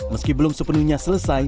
meski belum sepenuhnya selesai